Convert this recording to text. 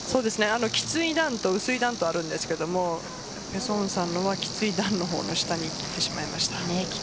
きつい段と薄い段があるんですけどペ・ソンウさんの方はきつい段の所にいってしまいました。